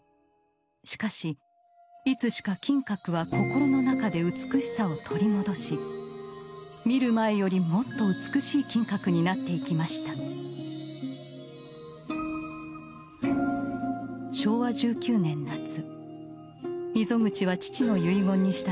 しかしいつしか金閣は心の中で美しさを取り戻し見る前よりもっと美しい金閣になっていきました昭和１９年夏溝口は父の遺言に従って金閣寺の徒弟になりました。